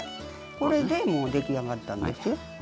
これでもう出来上がったんです。